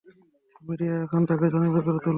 Media এখন তাকে জনপ্রিয় করে তুলবে।